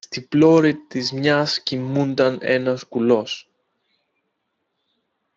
Στην πλώρη της μιας κοιμούνταν ένας κουλός